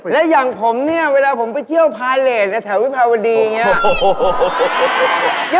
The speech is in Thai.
และอย่างผมเนี่ยเวลาผมไปเที่ยวพาเลสแถววิภาวดีอย่างนี้